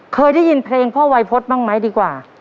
เคยได้ยินเพลงพ่อวัยพฤษบ้างไหมดีกว่า